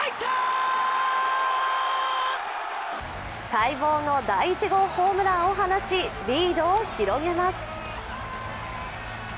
待望の第１号ホームランを放ちリードを広げます。